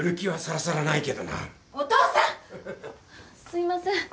すいません。